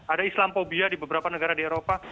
ada islamobia di beberapa negara di eropa